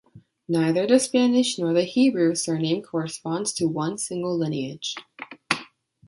Neither the Spanish nor the Hebrew surname corresponds to one single lineage.